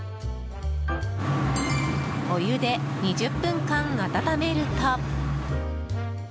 お湯で２０分間温めると。